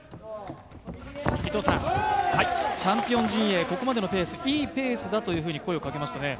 チャンピオン陣営、ここまでのペース、いいペースだと声をかけましたね。